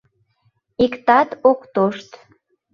Иктат ок тошт.